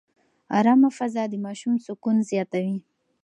ارامه فضا د ماشوم سکون زیاتوي.